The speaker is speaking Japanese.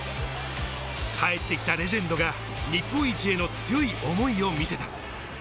帰ってきたレジェンドが日本一への強い思いを見せた。